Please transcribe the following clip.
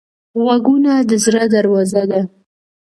غوږونه د زړه دروازه ده